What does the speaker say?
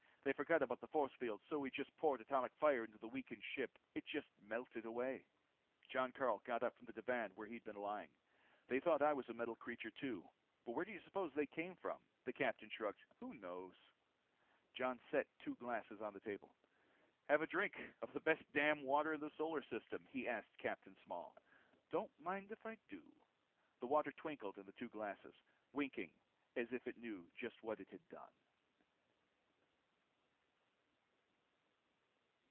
They forgot about the force field, so we just poured atomic fire into the weakening ship. It just melted away." Jon Karyl got up from the divan where he'd been lying. "They thought I was a metal creature, too. But where do you suppose they came from?" The captain shrugged. "Who knows?" Jon set two glasses on the table. "Have a drink of the best damn water in the solar system?" He asked Capt. Small. "Don't mind if I do." The water twinkled in the two glasses, winking as if it knew just what it had done.